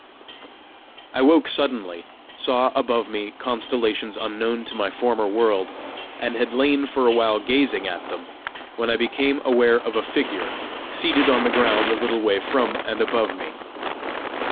I woke suddenly, saw above me constellations unknown to my former world, and had lain for a while gazing at them, when I became aware of a figure seated on the ground a little way from and above me.